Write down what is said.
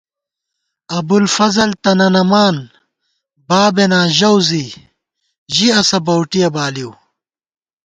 ابُوالفضل تنَنَمان، بابېناں ژَؤ زِی، ژِی اسہ بَؤٹِیَہ بالِؤ